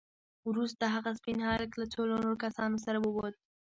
وروسته هغه سپين هلک له څو نورو کسانو سره ووت.